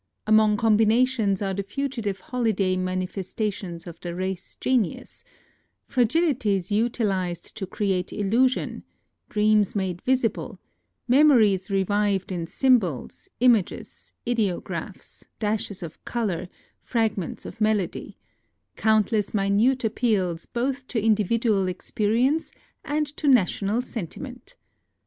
Among combinations are the fugitive holiday manifestations of the race genius : fragilities utilized to create illusion ; dreams made visible ; memories revived in symbols, images, ideographs, dashes of color, fragments of melody ; countless minute ap peals both to individual experience and to national sentiment.